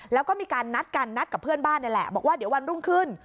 แล้วก็มีการนัดกันนัดกับเพื่อนบ้านนี่แหละบอกว่าเดี๋ยววันรุ่งขึ้น